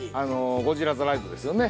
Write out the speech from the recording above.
◆ゴジラ・ザ・ライドですよね。